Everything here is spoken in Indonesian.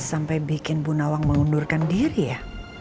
sampai bikin bunawan mengundurkan diri ya